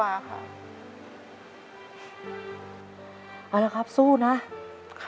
แต่ที่แม่ก็รักลูกมากทั้งสองคน